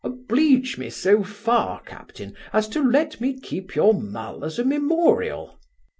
Oblige me so far, captain, as to let me keep your mull as a memorial.